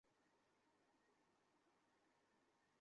আর কোনো কিছু স্পর্শ করবে না।